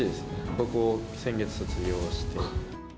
高校を先月卒業して。